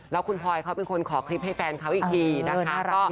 แล้วคุณพลอยเขาเป็นคนขอคลิปให้แฟนเขาอีกทีนะคะ